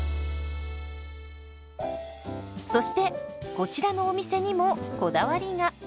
そしてこちらのお店にもこだわりが。